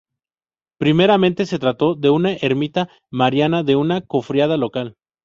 Primeramente se trató de una ermita mariana de una cofradía local.